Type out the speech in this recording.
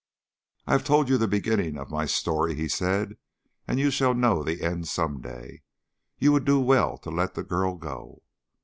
"I have told you the beginning of my story," he said, "and you shall know the end some day. You would do well to let the girl go."